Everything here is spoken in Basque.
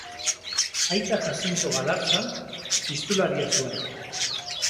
Aita Jazinto Galarza txistularia zuen.